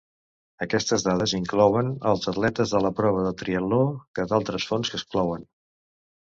Aquestes dades inclouen els atletes de la prova de triatló que d'altres fonts exclouen.